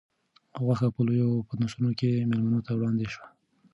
غوښه په لویو پتنوسونو کې مېلمنو ته وړاندې شوه.